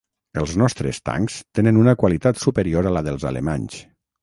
Els nostres tancs tenen una qualitat superior a la dels alemanys.